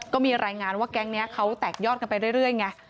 ก็มีรายงานว่าแก๊งนี้เขาแตกยอดกันไปเรื่อยไง